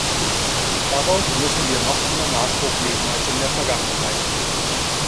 Darauf müssen wir noch mehr Nachdruck legen als in der Vergangenheit.